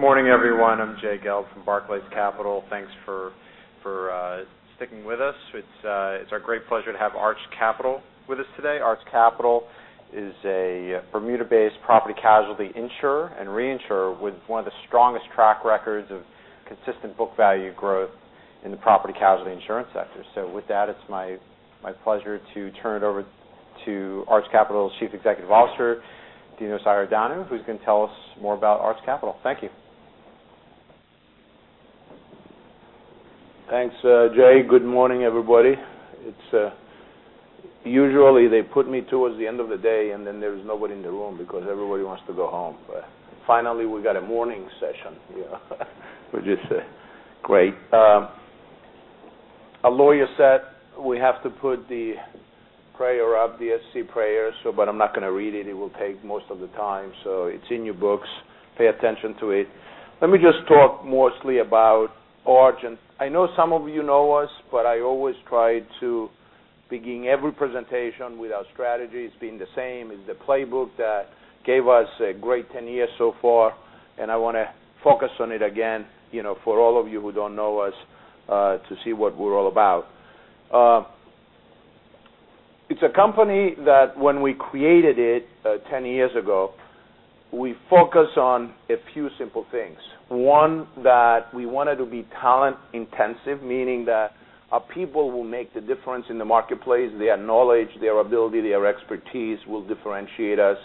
Good morning, everyone. I'm Jay Gelb from Barclays Capital. Thanks for sticking with us. It's our great pleasure to have Arch Capital with us today. Arch Capital is a Bermuda-based property casualty insurer and reinsurer with one of the strongest track records of consistent book value growth in the property casualty insurance sector. With that, it's my pleasure to turn it over to Arch Capital's Chief Executive Officer, Dinos Iordanou, who's going to tell us more about Arch Capital. Thank you. Thanks, Jay. Good morning, everybody. Usually they put me towards the end of the day, then there's nobody in the room because everybody wants to go home. Finally, we got a morning session which is great. Our lawyer said we have to put the prayer up, the SEC prayer, but I'm not going to read it. It will take most of the time, it's in your books. Pay attention to it. Let me just talk mostly about Origin. I know some of you know us, but I always try to begin every presentation with our strategies being the same as the playbook that gave us a great 10 years so far. I want to focus on it again, for all of you who don't know us, to see what we're all about. It's a company that when we created it 10 years ago, we focused on a few simple things. One, that we wanted to be talent intensive, meaning that our people will make the difference in the marketplace. Their knowledge, their ability, their expertise will differentiate us.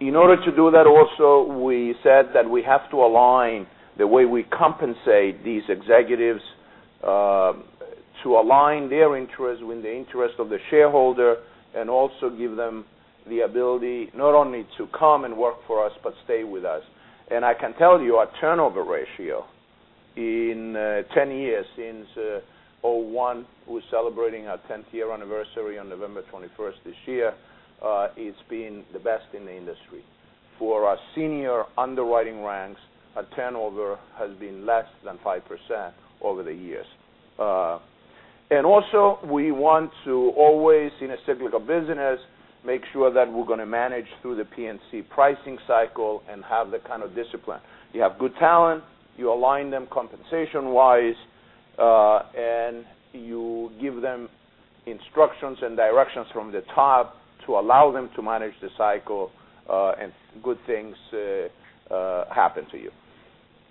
In order to do that also, we said that we have to align the way we compensate these executives, to align their interests with the interest of the shareholder, and also give them the ability not only to come and work for us but stay with us. I can tell you our turnover ratio in 10 years, since 2001, we're celebrating our 10th year anniversary on November 21st this year, it's been the best in the industry. For our senior underwriting ranks, our turnover has been less than 5% over the years. Also we want to always, in a cyclical business, make sure that we're going to manage through the P&C pricing cycle and have that kind of discipline. You have good talent, you align them compensation-wise, you give them instructions and directions from the top to allow them to manage the cycle, good things happen to you.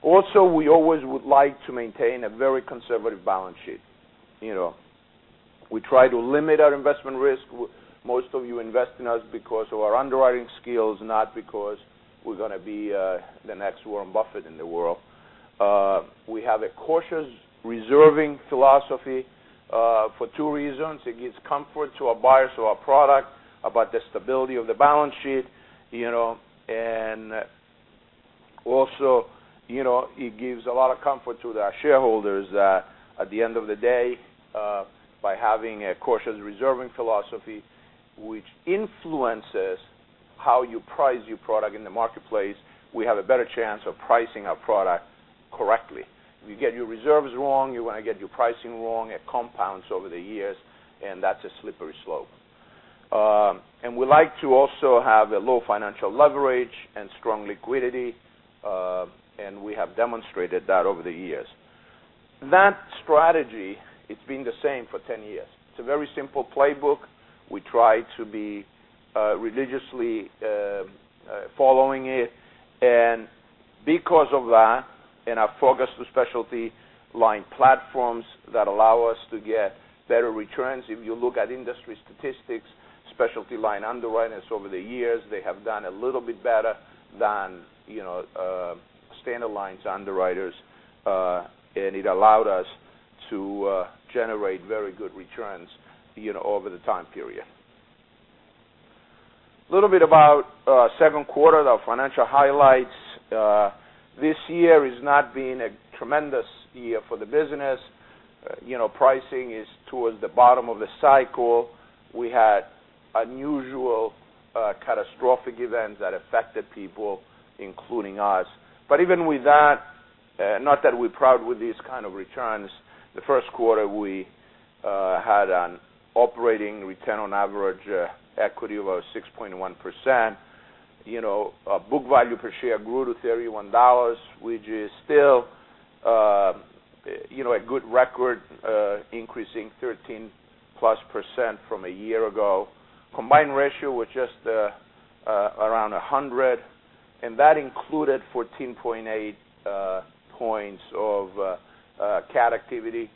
Also, we always would like to maintain a very conservative balance sheet. We try to limit our investment risk. Most of you invest in us because of our underwriting skills, not because we're going to be the next Warren Buffett in the world. We have a cautious reserving philosophy, for two reasons. It gives comfort to our buyers of our product about the stability of the balance sheet. It gives a lot of comfort to our shareholders that at the end of the day, by having a cautious reserving philosophy, which influences how you price your product in the marketplace, we have a better chance of pricing our product correctly. If you get your reserves wrong, you're going to get your pricing wrong. It compounds over the years, and that's a slippery slope. We like to also have a low financial leverage and strong liquidity, and we have demonstrated that over the years. That strategy, it's been the same for 10 years. It's a very simple playbook. We try to be religiously following it. Because of that, and our focus to specialty line platforms that allow us to get better returns. If you look at industry statistics, specialty line underwriters over the years, they have done a little bit better than standard lines underwriters. It allowed us to generate very good returns over the time period. Little bit about second quarter, our financial highlights. This year has not been a tremendous year for the business. Pricing is towards the bottom of the cycle. We had unusual catastrophic events that affected people, including us. Even with that, not that we're proud with these kind of returns, the first quarter we had an operating return on average equity of 6.1%. Book value per share grew to $31, which is still a good record, increasing 13-plus % from a year ago. Combined ratio was just around 100, and that included 14.8 points of cat activity.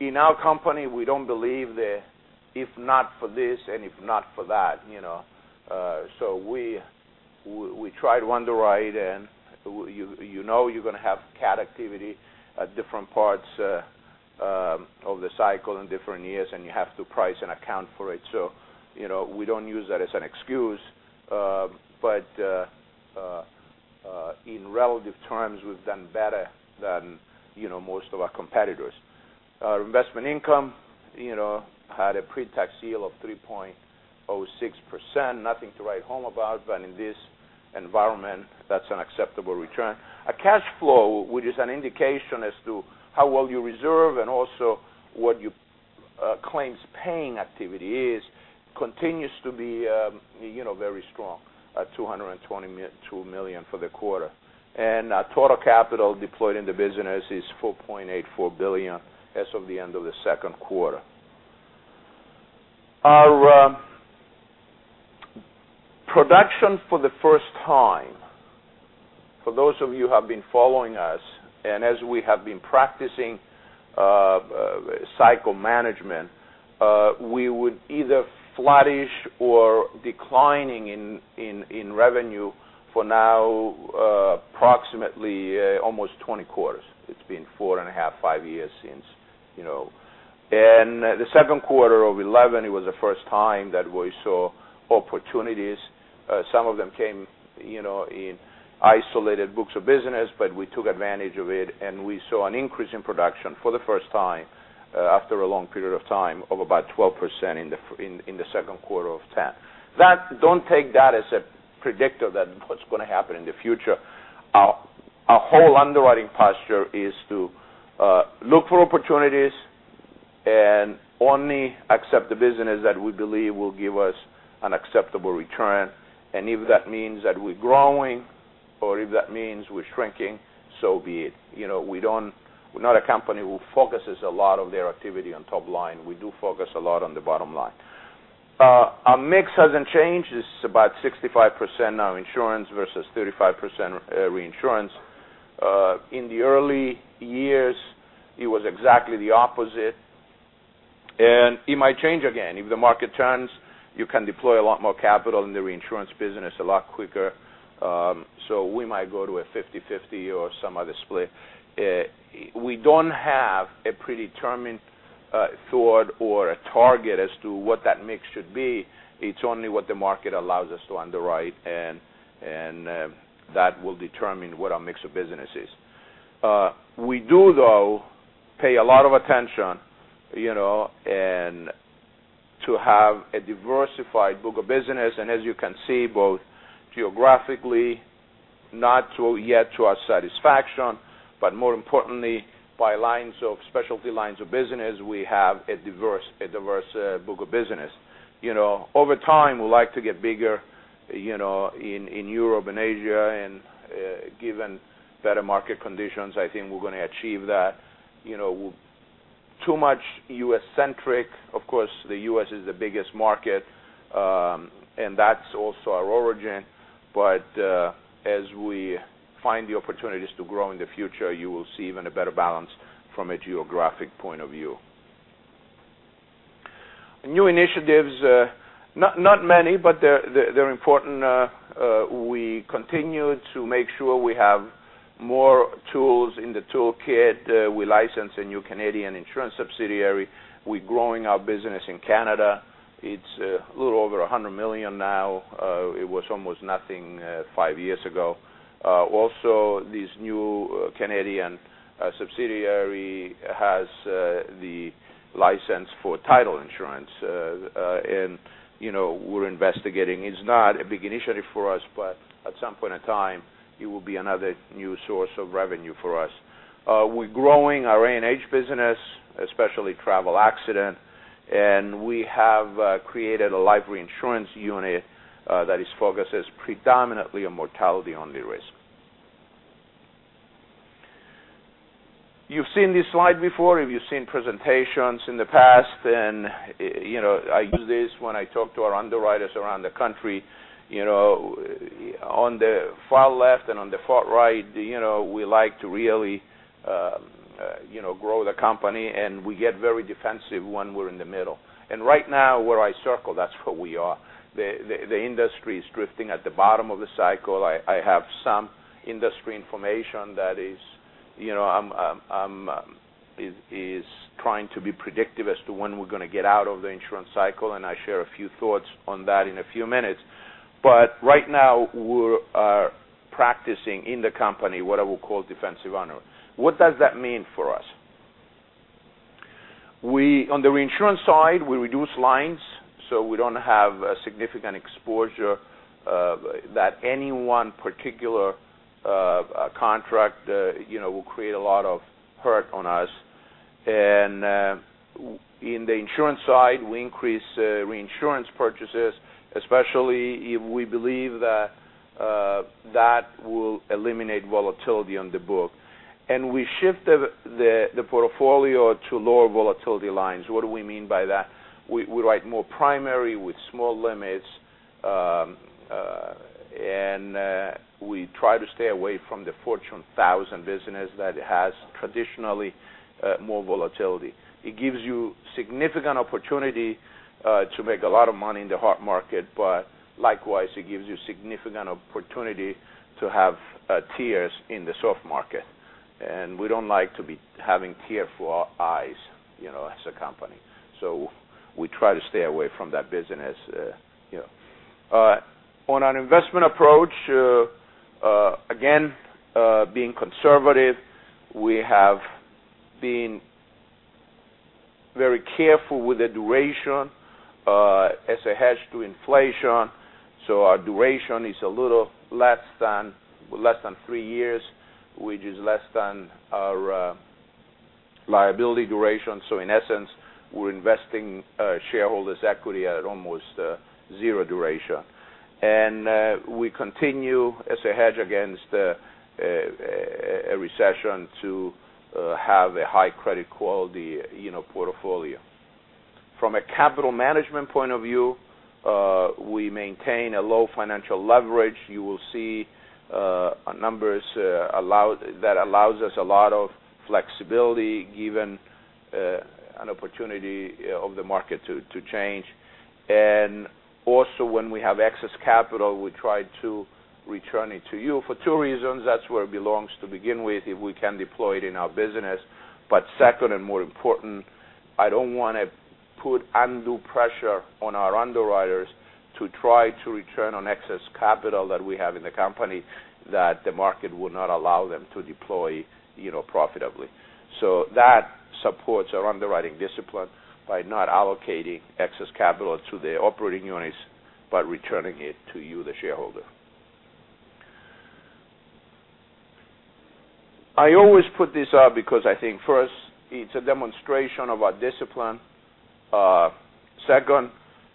In our company, we don't believe the if not for this and if not for that. We try to underwrite and you know you're going to have cat activity at different parts of the cycle in different years, and you have to price and account for it. We don't use that as an excuse, in relative terms, we've done better than most of our competitors. Our investment income had a pre-tax yield of 3.06%. Nothing to write home about, in this environment, that's an acceptable return. Our cash flow, which is an indication as to how well you reserve and also what your Claims paying activity continues to be very strong at $222 million for the quarter. Total capital deployed in the business is $4.84 billion as of the end of the second quarter. Our production for the first time, for those of you who have been following us, as we have been practicing cycle management, we would either flattish or declining in revenue for now, approximately almost 20 quarters. It's been four and a half, five years since. The second quarter of 2011, it was the first time that we saw opportunities. Some of them came in isolated books of business, we took advantage of it, we saw an increase in production for the first time after a long period of time of about 12% in the second quarter of 2010. Don't take that as a predictor of what's going to happen in the future. Our whole underwriting posture is to look for opportunities and only accept the business that we believe will give us an acceptable return, and if that means that we're growing or if that means we're shrinking, so be it. We're not a company who focuses a lot of their activity on top line. We do focus a lot on the bottom line. Our mix hasn't changed. It's about 65% now insurance versus 35% reinsurance. In the early years, it was exactly the opposite, and it might change again. If the market turns, you can deploy a lot more capital in the reinsurance business a lot quicker, so we might go to a 50-50 or some other split. We don't have a predetermined thought or a target as to what that mix should be. It's only what the market allows us to underwrite, that will determine what our mix of business is. We do, though, pay a lot of attention to have a diversified book of business, as you can see, both geographically, not yet to our satisfaction, but more importantly, by specialty lines of business, we have a diverse book of business. Over time, we'd like to get bigger in Europe and Asia, given better market conditions, I think we're going to achieve that. Too much U.S.-centric. Of course, the U.S. is the biggest market, and that's also our Origin. As we find the opportunities to grow in the future, you will see even a better balance from a geographic point of view. New initiatives, not many, but they're important. We continue to make sure we have more tools in the toolkit. We licensed a new Canadian insurance subsidiary. We're growing our business in Canada. It's a little over $100 million now. It was almost nothing five years ago. Also, this new Canadian subsidiary has the license for title insurance, we're investigating. It's not a big initiative for us, but at some point in time, it will be another new source of revenue for us. We're growing our A&H business, especially travel accident, we have created a life reinsurance unit that is focused predominantly on mortality-only risk. You've seen this slide before if you've seen presentations in the past. I use this when I talk to our underwriters around the country. On the far left and on the far right, we like to really grow the company, and we get very defensive when we're in the middle. Right now, where I circled, that's where we are. The industry is drifting at the bottom of the cycle. I have some industry information that is trying to be predictive as to when we're going to get out of the insurance cycle, I'll share a few thoughts on that in a few minutes. Right now, we are practicing in the company what I would call defensive honor. What does that mean for us? On the reinsurance side, we reduce lines, so we don't have a significant exposure that any one particular contract will create a lot of hurt on us. In the insurance side, we increase reinsurance purchases, especially if we believe that will eliminate volatility on the book. We shift the portfolio to lower volatility lines. What do we mean by that? We write more primary with small limits, and we try to stay away from the Fortune 1,000 business that has traditionally more volatility. It gives you significant opportunity to make a lot of money in the hot market. Likewise, it gives you significant opportunity to have tears in the soft market. We don't like to be having tear for our eyes as a company, so we try to stay away from that business. On our investment approach, again, being conservative, we have been very careful with the duration. As a hedge to inflation, our duration is a little less than three years, which is less than our liability duration. In essence, we're investing shareholders' equity at almost zero duration. We continue as a hedge against a recession to have a high credit quality portfolio. From a capital management point of view, we maintain a low financial leverage. You will see numbers that allows us a lot of flexibility, given an opportunity of the market to change. Also, when we have excess capital, we try to return it to you for two reasons. That's where it belongs to begin with, if we can deploy it in our business. Second, and more important, I don't want to put undue pressure on our underwriters to try to return on excess capital that we have in the company, that the market would not allow them to deploy profitably. That supports our underwriting discipline by not allocating excess capital to the operating units, but returning it to you, the shareholder. I always put this up because I think first, it's a demonstration of our discipline. Second,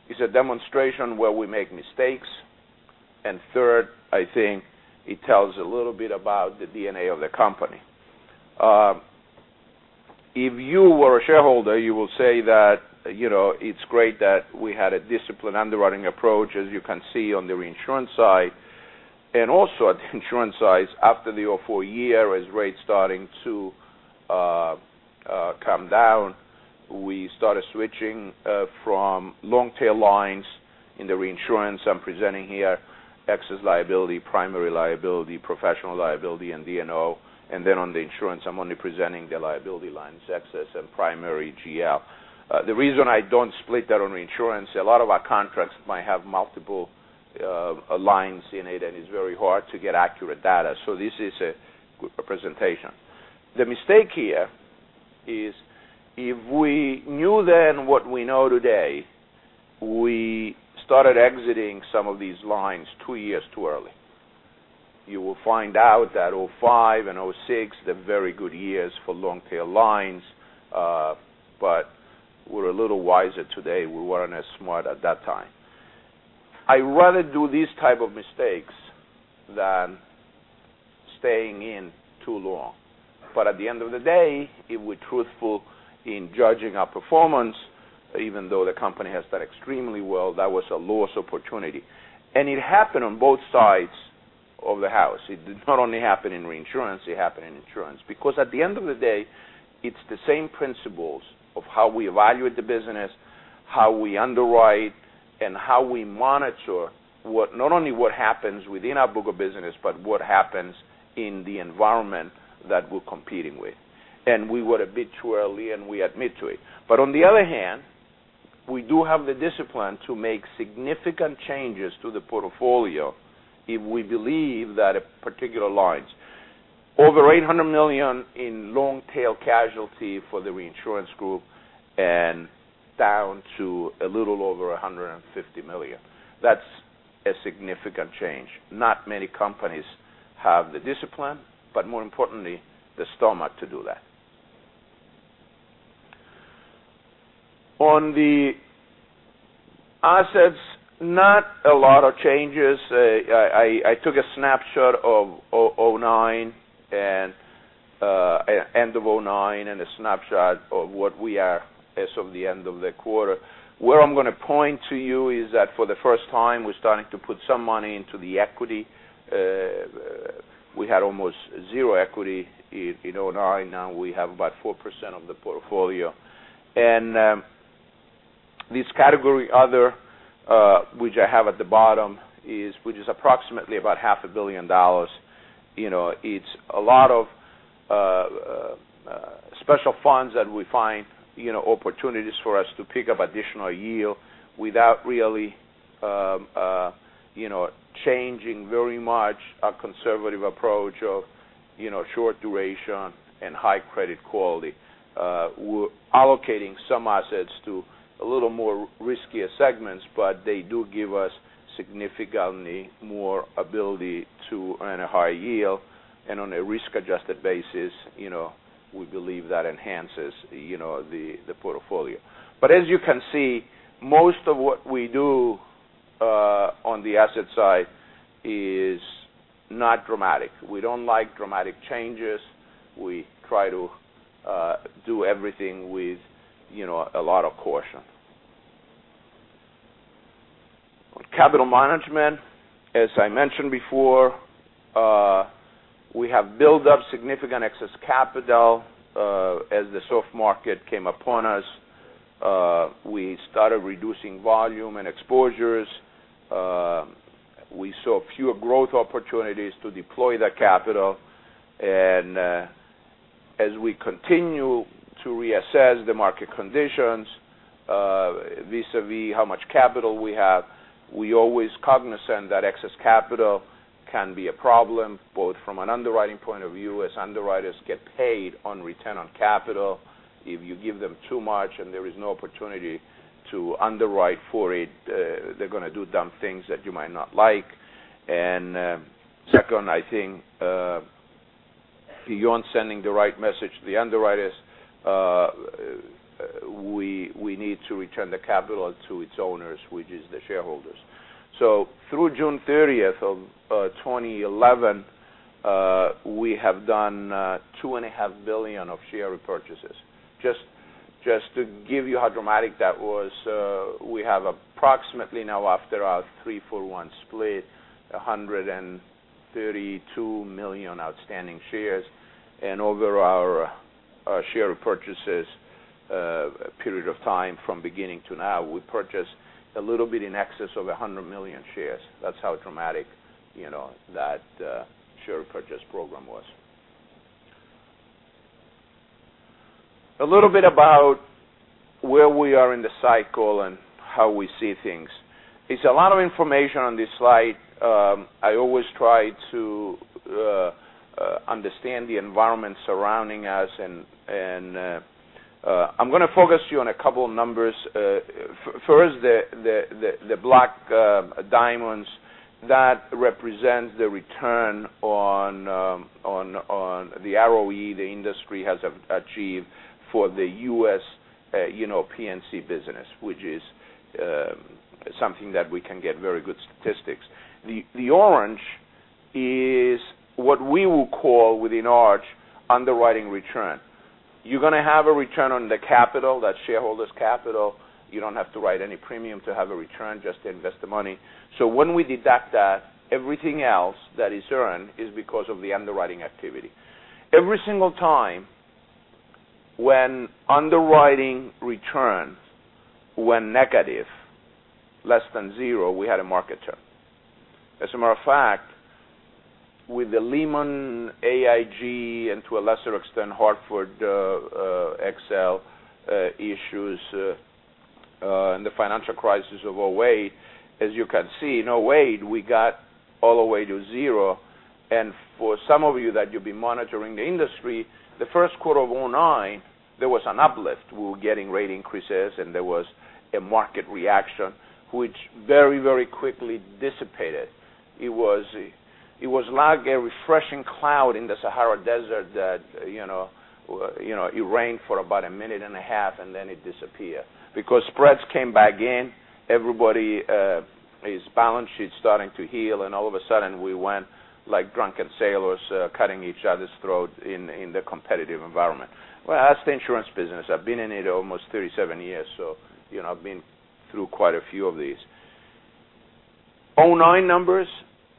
it's a demonstration where we make mistakes. Third, I think it tells a little bit about the DNA of the company. If you were a shareholder, you will say that it's great that we had a disciplined underwriting approach, as you can see on the reinsurance side, and also at the insurance side, after the 2004 year, as rates starting to come down, we started switching from long-tail lines in the reinsurance I'm presenting here, excess liability, primary liability, professional liability, and D&O. Then on the insurance, I'm only presenting the liability lines, excess and primary GL. The reason I don't split that on reinsurance, a lot of our contracts might have multiple lines in it, and it's very hard to get accurate data. This is a good representation. The mistake here is, if we knew then what we know today, we started exiting some of these lines two years too early. You will find out that 2005 and 2006, they're very good years for long-tail lines. We're a little wiser today. We weren't as smart at that time. I rather do these type of mistakes than staying in too long. At the end of the day, if we're truthful in judging our performance, even though the company has done extremely well, that was a loss opportunity. It happened on both sides of the house. It did not only happen in reinsurance, it happened in insurance. At the end of the day, it's the same principles of how we evaluate the business, how we underwrite, and how we monitor not only what happens within our book of business, but what happens in the environment that we're competing with. We were a bit too early, and we admit to it. On the other hand, we do have the discipline to make significant changes to the portfolio if we believe that a particular lines. Over $800 million in long-tail casualty for the reinsurance group and down to a little over $150 million. That's a significant change. Not many companies have the discipline, but more importantly, the stomach to do that. On the assets, not a lot of changes. I took a snapshot of end of 2009, and a snapshot of what we are as of the end of the quarter. Where I'm going to point to you is that for the first time, we're starting to put some money into the equity. We had almost zero equity in 2009. Now we have about 4% of the portfolio. This category, other, which I have at the bottom, which is approximately about half a billion dollars. It's a lot of special funds that we find opportunities for us to pick up additional yield without really changing very much our conservative approach of short duration and high credit quality. We're allocating some assets to a little more riskier segments, but they do give us significantly more ability to earn a high yield, and on a risk-adjusted basis, we believe that enhances the portfolio. As you can see, most of what we do on the asset side is not dramatic. We don't like dramatic changes. We try to do everything with a lot of caution. On capital management, as I mentioned before, we have built up significant excess capital. As the soft market came upon us, we started reducing volume and exposures. We saw fewer growth opportunities to deploy that capital. As we continue to reassess the market conditions vis-à-vis how much capital we have, we always cognizant that excess capital can be a problem, both from an underwriting point of view, as underwriters get paid on return on capital. If you give them too much and there is no opportunity to underwrite for it, they're going to do dumb things that you might not like. Second, I think, beyond sending the right message to the underwriters, we need to return the capital to its owners, which is the shareholders. Through June 30th of 2011, we have done $2.5 billion of share repurchases. Just to give you how dramatic that was, we have approximately now after our three-for-one split, 132 million outstanding shares. Over our share repurchases period of time from beginning to now, we purchased a little bit in excess of 100 million shares. That's how dramatic that share purchase program was. A little bit about where we are in the cycle and how we see things. It's a lot of information on this slide. I always try to understand the environment surrounding us, and I'm going to focus you on a couple numbers. First, the black diamonds, that represents the return on the ROE the industry has achieved for the US P&C business, which is something that we can get very good statistics. The orange is what we will call within Arch, underwriting return. You're going to have a return on the capital, that's shareholders' capital. You don't have to write any premium to have a return, just invest the money. When we deduct that, everything else that is earned is because of the underwriting activity. Every single time when underwriting returns were negative, less than zero, we had a market turn. As a matter of fact, with the Lehman, AIG, and to a lesser extent, Hartford, XL issues, and the financial crisis of 2008, as you can see, in 2008, we got all the way to zero. For some of you that you've been monitoring the industry, the first quarter of 2009, there was an uplift. We were getting rate increases, and there was a market reaction, which very quickly dissipated. It was like a refreshing cloud in the Sahara desert that it rained for about a minute and a half, and then it disappeared because spreads came back in, everybody's balance sheet starting to heal, and all of a sudden we went like drunken sailors cutting each other's throat in the competitive environment. Well, that's the insurance business. I've been in it almost 37 years, so I've been through quite a few of these. 2009 numbers,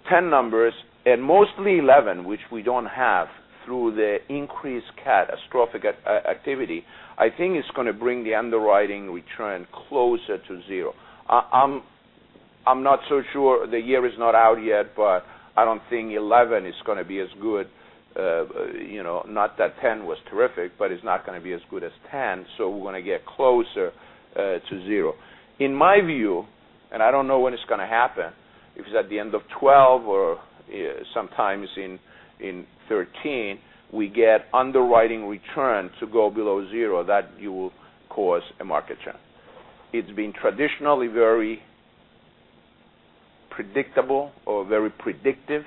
2010 numbers, and mostly 2011, which we don't have through the increased catastrophic activity, I think it's going to bring the underwriting return closer to zero. I'm not so sure, the year is not out yet, but I don't think 2011 is going to be as good. Not that 2010 was terrific, but it's not going to be as good as 2010, so we're going to get closer to zero. In my view, and I don't know when it's going to happen, if it's at the end of 2012 or sometimes in 2013, we get underwriting return to go below zero, that will cause a market turn. It's been traditionally very predictable or very predictive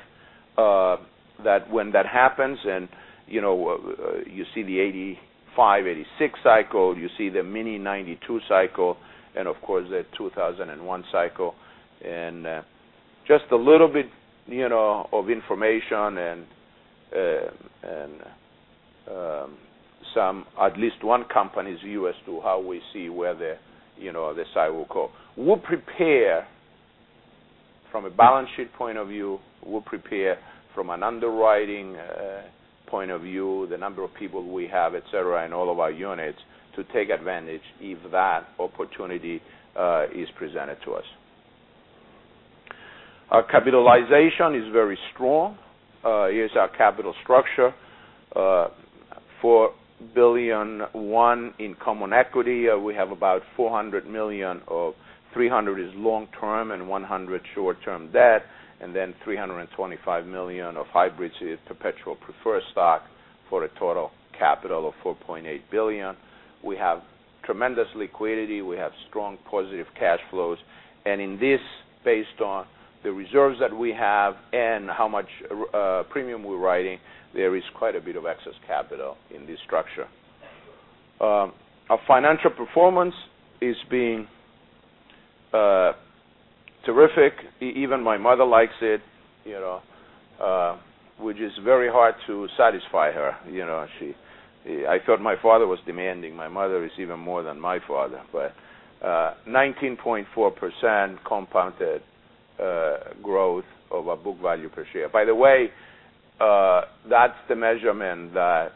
that when that happens and you see the 1985, 1986 cycle, you see the mini 1992 cycle, and of course, the 2001 cycle. Just a little bit of information and at least one company's view as to how we see where the cycle go. We'll prepare from a balance sheet point of view, we'll prepare from an underwriting point of view, the number of people we have, et cetera, in all of our units to take advantage if that opportunity is presented to us. Our capitalization is very strong. Here's our capital structure. $4.1 billion in common equity. We have about $400 million of, $300 is long-term and $100 short-term debt, and then $325 million of hybrid perpetual preferred stock for a total capital of $4.8 billion. We have tremendous liquidity. We have strong positive cash flows. In this, based on the reserves that we have and how much premium we're writing, there is quite a bit of excess capital in this structure. Our financial performance is being terrific. Even my mother likes it, which is very hard to satisfy her. I thought my father was demanding. My mother is even more than my father. 19.4% compounded growth of our book value per share. By the way, that's the measurement that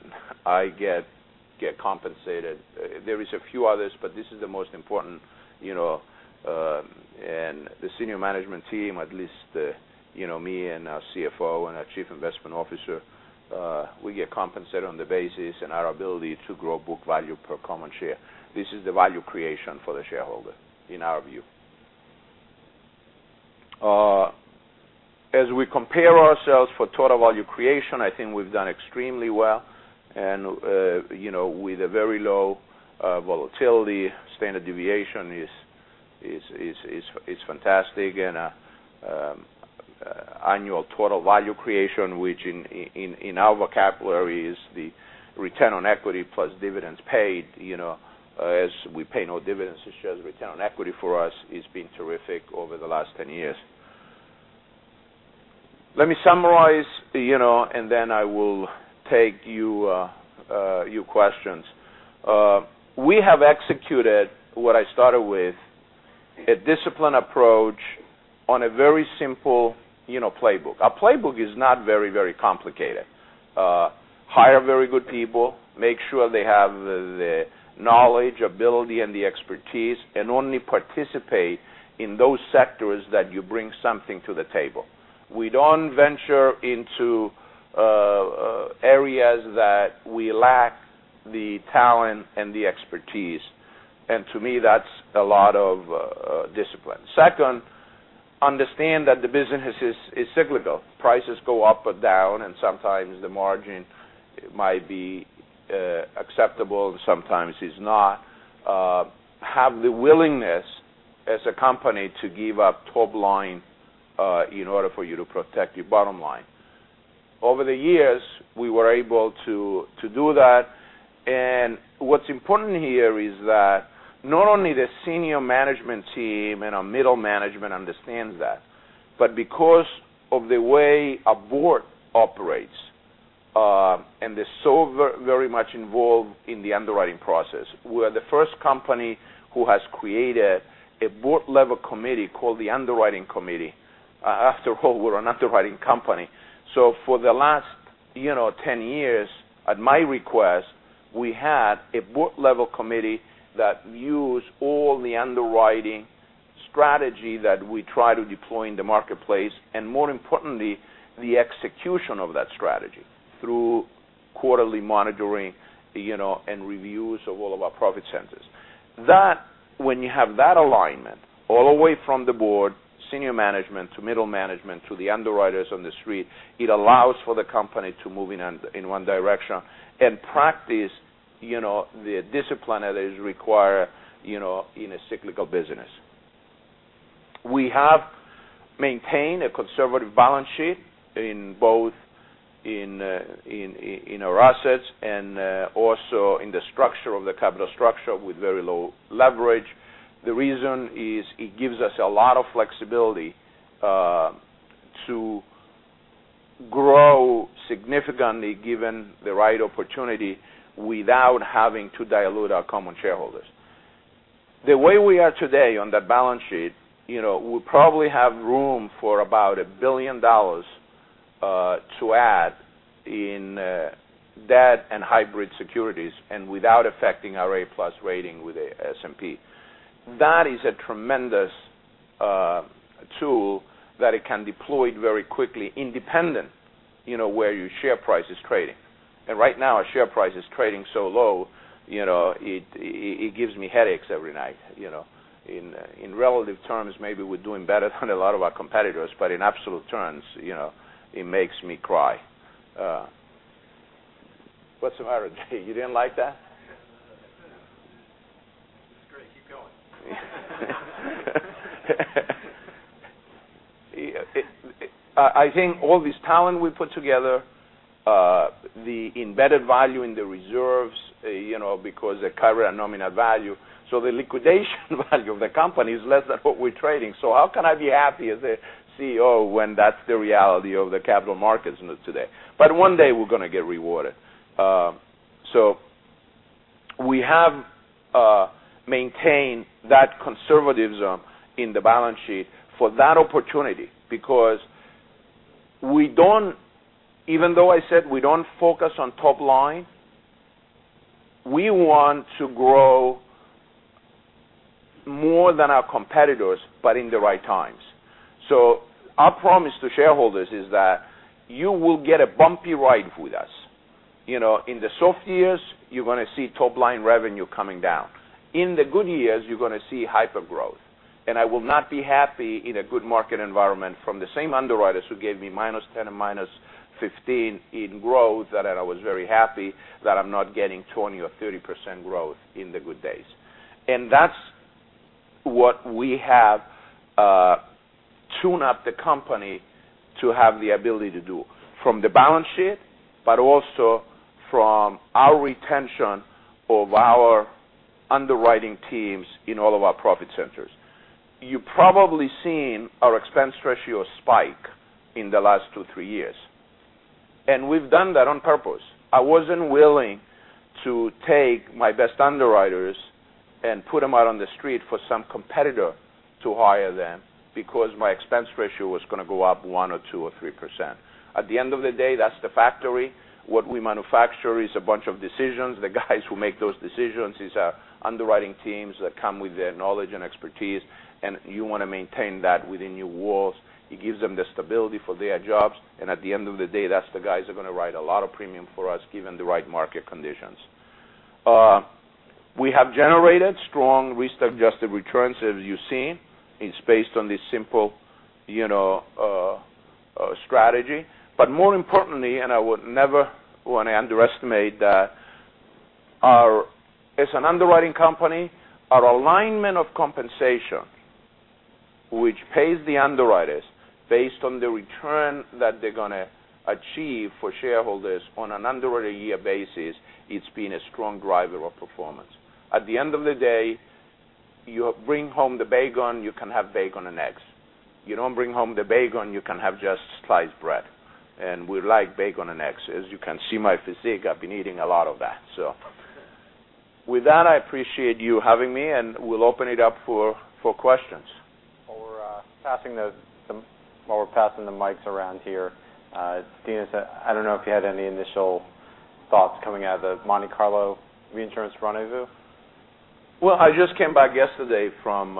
I get compensated. There is a few others, but this is the most important. The senior management team, at least me and our CFO and our Chief Investment Officer We get compensated on the basis and our ability to grow book value per common share. This is the value creation for the shareholder, in our view. As we compare ourselves for total value creation, I think we've done extremely well, and with a very low volatility. Standard deviation is fantastic. Annual total value creation, which in our vocabulary is the return on equity plus dividends paid. As we pay no dividends, the shares return on equity for us has been terrific over the last 10 years. Let me summarize, and then I will take your questions. We have executed what I started with, a disciplined approach on a very simple playbook. Our playbook is not very complicated. Hire very good people, make sure they have the knowledge, ability, and the expertise, and only participate in those sectors that you bring something to the table. We don't venture into areas that we lack the talent and the expertise. To me, that's a lot of discipline. Second, understand that the business is cyclical. Prices go up or down, and sometimes the margin might be acceptable, sometimes it's not. Have the willingness as a company to give up top line, in order for you to protect your bottom line. Over the years, we were able to do that. What's important here is that not only the senior management team and our middle management understands that, but because of the way our board operates, and they're so very much involved in the underwriting process. We are the first company who has created a board level committee called the underwriting committee. After all, we're an underwriting company. For the last 10 years, at my request, we had a board level committee that views all the underwriting strategy that we try to deploy in the marketplace, and more importantly, the execution of that strategy through quarterly monitoring, and reviews of all of our profit centers. When you have that alignment all the way from the board, senior management, to middle management, to the underwriters on the street, it allows for the company to move in one direction. In practice, the discipline that is required in a cyclical business. We have maintained a conservative balance sheet in both our assets and also in the structure of the capital structure with very low leverage. The reason is it gives us a lot of flexibility to grow significantly given the right opportunity without having to dilute our common shareholders. The way we are today on that balance sheet, we probably have room for about $1 billion to add in debt and hybrid securities, and without affecting our A+ rating with the S&P. That is a tremendous tool that it can deploy very quickly, independent where your share price is trading. Right now, our share price is trading so low, it gives me headaches every night. In relative terms, maybe we're doing better than a lot of our competitors, but in absolute terms, it makes me cry. What's the matter, Jay? You didn't like that? It's great. Keep going. I think all this talent we put together, the embedded value in the reserves, because they cover a nominal value. The liquidation value of the company is less than what we're trading. How can I be happy as a CEO when that's the reality of the capital markets today? One day we're going to get rewarded. We have maintained that conservatism in the balance sheet for that opportunity because even though I said we don't focus on top line, we want to grow more than our competitors, but in the right times. Our promise to shareholders is that you will get a bumpy ride with us. In the soft years, you're going to see top-line revenue coming down. In the good years, you're going to see hyper-growth. I will not be happy in a good market environment from the same underwriters who gave me minus 10% and minus 15% in growth, that I was very happy that I'm not getting 20% or 30% growth in the good days. That's what we have tuned up the company to have the ability to do. From the balance sheet, but also from our retention of our underwriting teams in all of our profit centers. You probably seen our expense ratio spike in the last two, three years. We've done that on purpose. I wasn't willing to take my best underwriters and put them out on the street for some competitor to hire them because my expense ratio was going to go up 1% or 2% or 3%. At the end of the day, that's the factory. What we manufacture is a bunch of decisions. The guys who make those decisions is our underwriting teams that come with their knowledge and expertise, and you want to maintain that within your walls. It gives them the stability for their jobs. At the end of the day, that's the guys who are going to write a lot of premium for us, given the right market conditions. We have generated strong risk-adjusted returns, as you've seen. It's based on this simple strategy. More importantly, and I would never want to underestimate that as an underwriting company, our alignment of compensation, which pays the underwriters based on the return that they're going to achieve for shareholders on an underwriter year basis, it's been a strong driver of performance. At the end of the day, you bring home the bacon, you can have bacon and eggs. You don't bring home the bacon, you can have just sliced bread. We like bacon and eggs. As you can see my physique, I've been eating a lot of that. With that, I appreciate you having me, and we'll open it up for questions. While we're passing the mics around here, Dinos, I don't know if you had any initial thoughts coming out of the Monte Carlo reinsurance rendezvous? I just came back yesterday from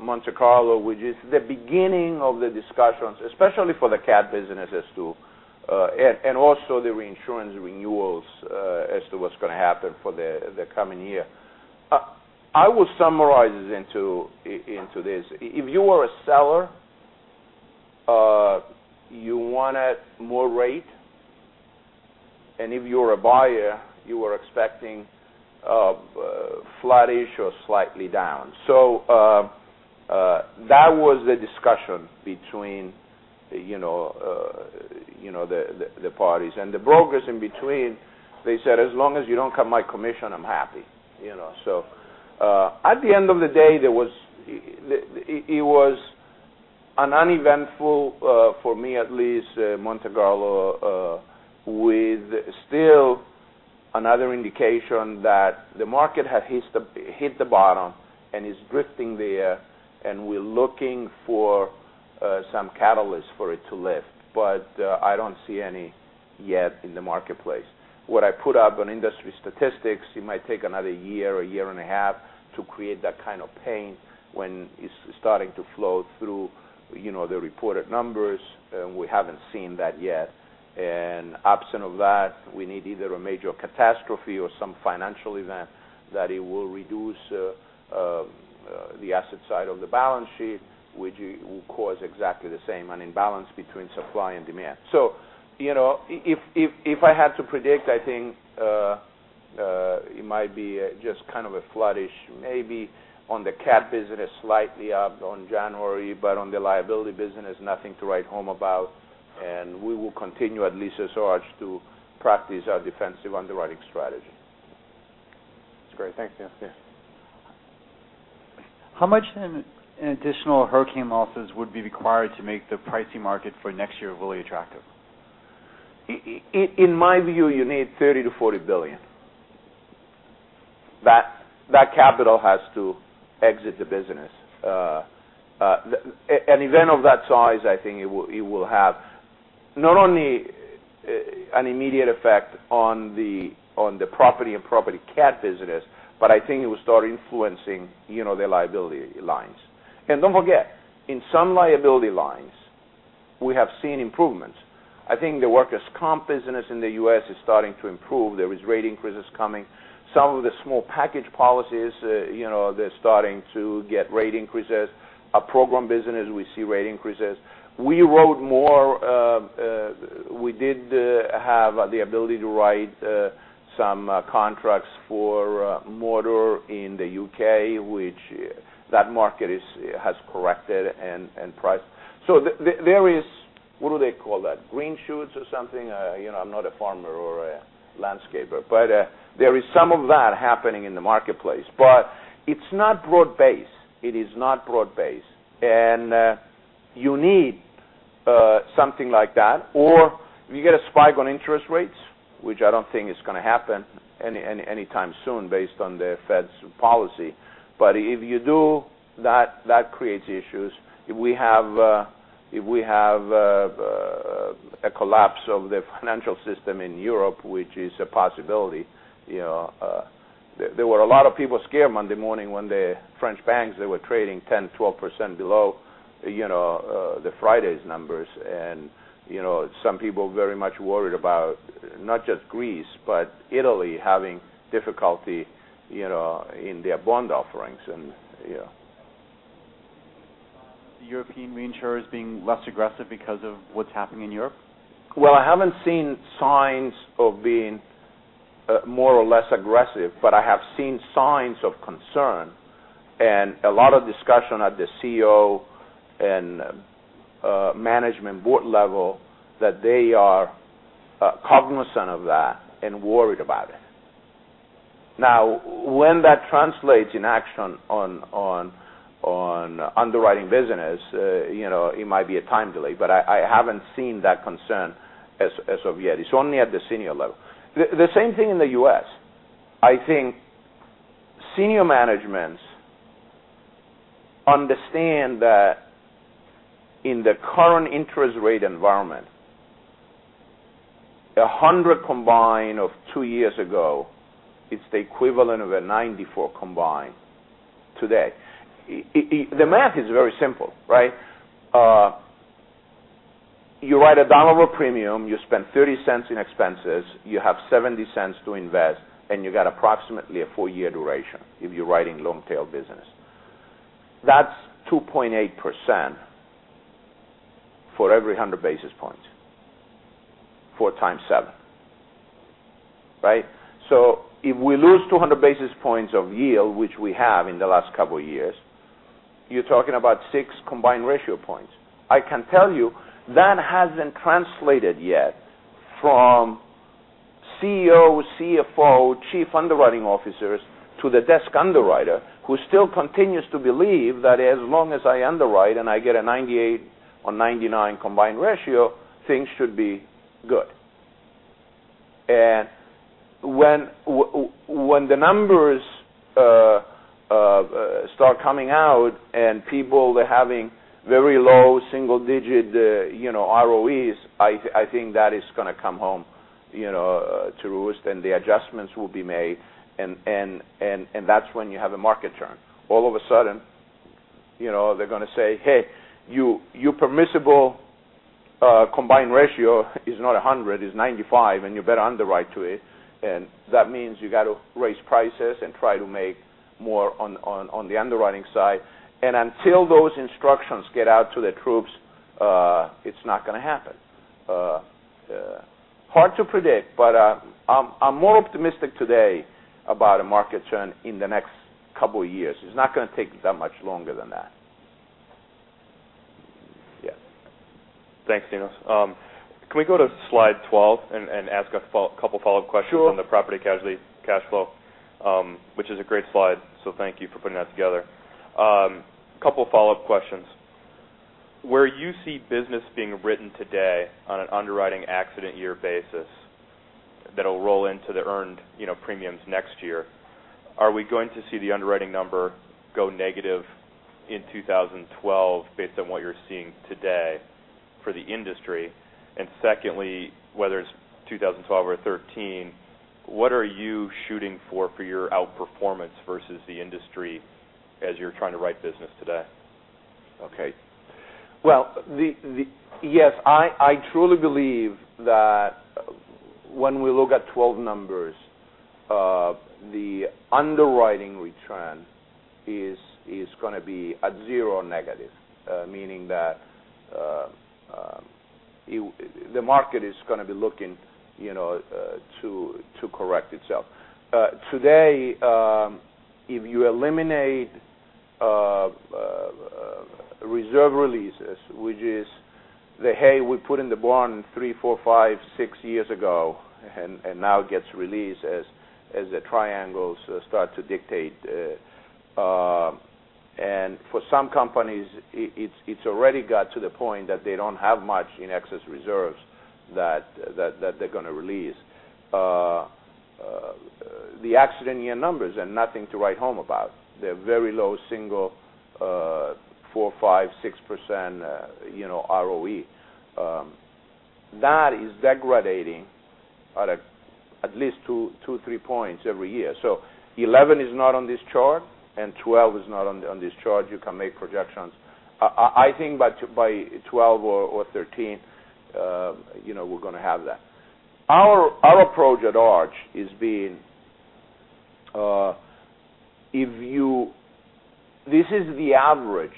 Monte Carlo, which is the beginning of the discussions, especially for the cat business, and also the reinsurance renewals as to what's going to happen for the coming year. I would summarize it into this. If you were a seller, you wanted more rate. If you were a buyer, you were expecting flattish or slightly down. That was the discussion between the parties. The brokers in between, they said, "As long as you don't cut my commission, I'm happy." At the end of the day, it was an uneventful, for me at least, Monte Carlo, with still another indication that the market had hit the bottom and is drifting there, and we're looking for some catalyst for it to lift. I don't see any yet in the marketplace. What I put up on industry statistics, it might take another year or a year and a half to create that kind of pain when it's starting to flow through the reported numbers, and we haven't seen that yet. Absent of that, we need either a major catastrophe or some financial event that it will reduce the asset side of the balance sheet, which will cause exactly the same imbalance between supply and demand. If I had to predict, I think it might be just kind of a flattish, maybe on the cat business, slightly up on January, but on the liability business, nothing to write home about. We will continue, at least as Arch, to practice our defensive underwriting strategy. That's great. Thanks, Dinos. Yeah. How much in additional hurricane losses would be required to make the pricing market for next year really attractive? In my view, you need $30 billion-$40 billion. That capital has to exit the business. An event of that size, I think it will have not only an immediate effect on the property and property cat business, but I think it will start influencing the liability lines. Don't forget, in some liability lines, we have seen improvements. I think the workers' comp business in the U.S. is starting to improve. There is rate increases coming. Some of the small package policies, they're starting to get rate increases. Our program business, we see rate increases. We did have the ability to write some contracts for motor in the U.K. That market has corrected and priced. There is, what do they call that? Green shoots or something? I'm not a farmer or a landscaper. There is some of that happening in the marketplace. It's not broad-based. It is not broad based. You need something like that. If you get a spike on interest rates, which I don't think is going to happen anytime soon based on the Fed's policy, if you do, that creates issues. If we have a collapse of the financial system in Europe, which is a possibility. There were a lot of people scared Monday morning when the French banks, they were trading 10%, 12% below the Friday's numbers. Some people very much worried about not just Greece, but Italy having difficulty in their bond offerings. Yeah. The European reinsurers being less aggressive because of what's happening in Europe? I haven't seen signs of being more or less aggressive, but I have seen signs of concern, and a lot of discussion at the CEO and management board level that they are cognizant of that and worried about it. When that translates in action on underwriting business, it might be a time delay, but I haven't seen that concern as of yet. It's only at the senior level. The same thing in the U.S. I think senior managements understand that in the current interest rate environment, 100 combined of two years ago, it's the equivalent of a 94 combined today. The math is very simple, right? You write a $1 over premium, you spend $0.30 in expenses, you have $0.70 to invest, and you got approximately a four-year duration if you're writing long-tail business. That's 2.8% for every 100 basis points, four times seven, right? If we lose 200 basis points of yield, which we have in the last couple of years, you're talking about six combined ratio points. I can tell you that hasn't translated yet from CEO, CFO, chief underwriting officers to the desk underwriter, who still continues to believe that as long as I underwrite and I get a 98 or 99 combined ratio, things should be good. When the numbers start coming out and people are having very low single-digit ROEs, I think that is going to come home to roost, and the adjustments will be made, and that's when you have a market turn. All of a sudden, they're going to say, "Hey, your permissible combined ratio is not 100, it's 95, and you better underwrite to it." That means you got to raise prices and try to make more on the underwriting side. Until those instructions get out to the troops, it's not going to happen. Hard to predict, but I'm more optimistic today about a market turn in the next couple of years. It's not going to take that much longer than that. Yeah. Thanks, Dinos. Can we go to slide 12 and ask a couple follow-up questions. Sure on the property casualty cash flow, which is a great slide, so thank you for putting that together. Couple follow-up questions. Where you see business being written today on an underwriting accident year basis that'll roll into the earned premiums next year, are we going to see the underwriting number go negative in 2012 based on what you're seeing today for the industry? Secondly, whether it's 2012 or 2013, what are you shooting for for your outperformance versus the industry as you're trying to write business today? Okay. Well, yes, I truly believe that when we look at 2012 numbers, the underwriting return is going to be at zero or negative, meaning that the market is going to be looking to correct itself. Today, if you eliminate reserve releases, which is the hay we put in the barn three, four, five, six years ago, and now gets released as the triangles start to dictate. For some companies, it's already got to the point that they don't have much in excess reserves that they're going to release. The accident year numbers are nothing to write home about. They're very low single, 4%, 5%, 6% ROE. That is degradating at least two, three points every year. 2011 is not on this chart, and 2012 is not on this chart. You can make projections. I think by 2012 or 2013, we're going to have that. Our approach at Arch is being, this is the average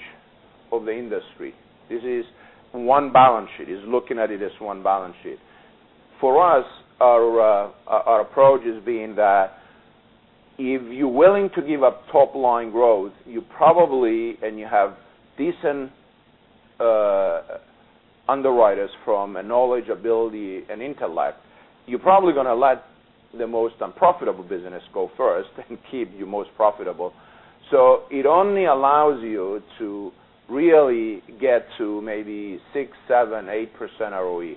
of the industry. This is one balance sheet, is looking at it as one balance sheet. For us, our approach is being that if you're willing to give up top-line growth, and you have decent underwriters from a knowledge, ability, and intellect, you're probably going to let the most unprofitable business go first and keep your most profitable. It only allows you to really get to maybe 6%, 7%, 8%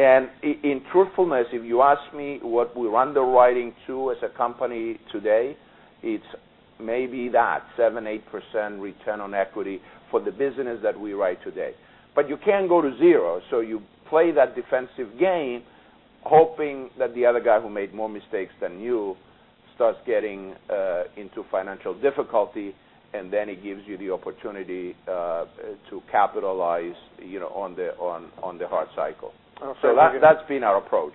ROE. In truthfulness, if you ask me what we're underwriting to as a company today, it's maybe that 7%, 8% return on equity for the business that we write today. You can go to zero, you play that defensive game hoping that the other guy who made more mistakes than you starts getting into financial difficulty, then it gives you the opportunity to capitalize on the hard cycle. Okay. That's been our approach.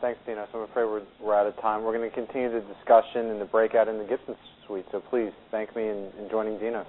Thanks, Dino. I'm afraid we're out of time. We're going to continue the discussion in the breakout in the Gibson Suite. Please thank me in joining Dino.